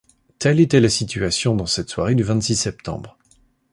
Telle était la situation dans cette soirée du vingt-six septembre.